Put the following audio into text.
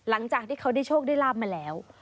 หลังจากที่เขาได้โชคได้ลาบมาแล้ว